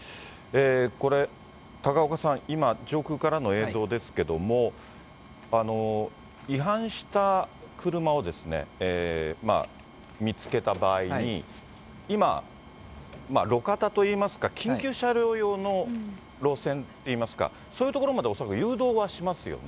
これ、高岡さん、今、上空からの映像ですけども、違反した車をですね、見つけた場合に、今、路肩といいますか、緊急車両用の路線っていいますか、そういう所まで恐らく誘導はしますよね。